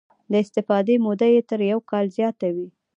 د استفادې موده یې تر یو کال زیاته وي.